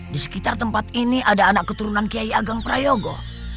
di sekitar tempat ini ada anak keturunan kiai ageng prayogo